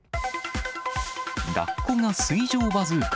ラッコが水上バズーカ。